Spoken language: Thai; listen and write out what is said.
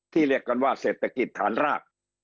เรียกกันว่าเศรษฐกิจฐานราก